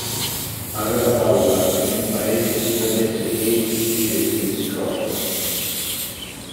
Aveva paura che nel paese si credesse ch'egli vivesse di scrocco.